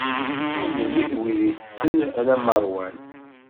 Ur nelli d wid itetten alamma ṛwan.